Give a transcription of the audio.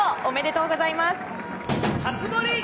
おめでとうございます。